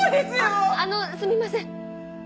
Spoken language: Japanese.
あっあのすみません。